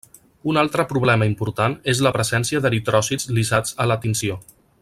Un altre problema important és la presència d'eritròcits lisats a la tinció.